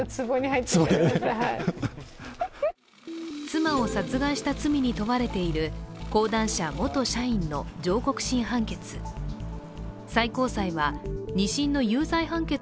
妻を殺害した罪に問われている講談社・元社員の上告審判決。